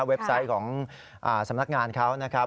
ไซต์ของสำนักงานเขานะครับ